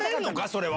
それは。